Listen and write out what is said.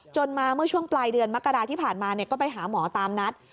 มาเมื่อช่วงปลายเดือนมกราที่ผ่านมาก็ไปหาหมอตามนัด